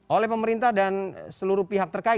oleh pemerintah dan seluruh pihak terkait